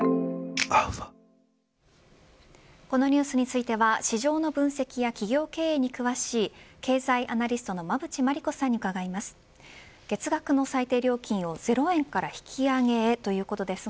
このニュースについては市場の分析や企業経営に詳しい経済アナリストの馬渕磨理子さんに伺います。